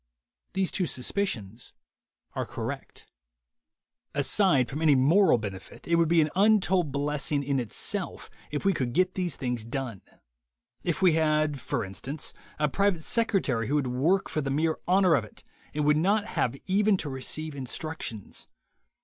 These two suspicions are correct. Aside from any moral benefit, it would be an untold blessing in itself if we could get these things done — if we had, for instance, a private secretary who would work for the mere honor of it and would not have even to receive instructions.